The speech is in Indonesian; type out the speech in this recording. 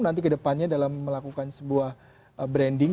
yang melakukan sebuah branding